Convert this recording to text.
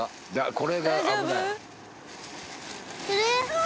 これが危ない。